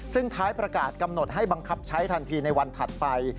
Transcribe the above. ซึ่งท้ายประกาศกำหนดให้บังคับใช้ทันทีในวันถัดไป